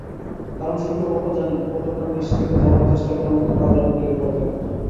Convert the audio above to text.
কারণ শত্রুপক্ষ জানে উপত্যকার নিচ থেকে যাওয়ার চেষ্টা করার মতো পাগলামো কেউ করবে না।